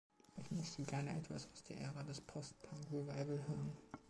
Ich möchte gerne etwas aus der Ära des Post-punk Revival hören.